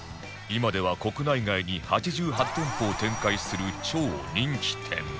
今では国内外に８８店舗を展開する超人気店